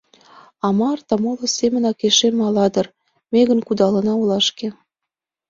А Марта моло семынак эше мала дыр, ме гын кудалына — олашке!